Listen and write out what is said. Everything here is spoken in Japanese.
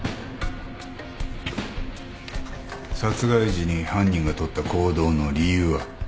殺害時に犯人がとった行動の理由は？